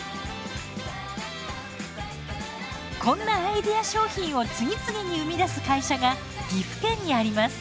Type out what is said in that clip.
こんなアイデア商品を次々に生み出す会社が岐阜県にあります。